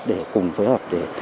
để cùng phối hợp